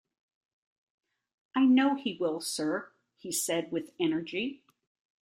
'I know he will, Sir,’ he said, with energy.